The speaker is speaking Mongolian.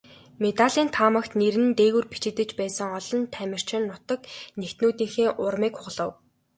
Медалийн таамагт нэр нь дээгүүр бичигдэж байсан олон тамирчин нутаг нэгтнүүдийнхээ урмыг хугалав.